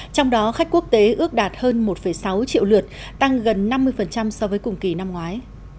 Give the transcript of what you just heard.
trong đó khách quốc tế ước đạt hơn một sáu triệu lượt tăng gần năm mươi so với cùng kỳ năm ngoái